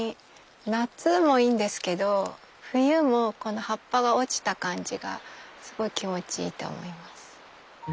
夏もいいんですけど冬もこの葉っぱが落ちた感じがすごい気持ちいいと思います。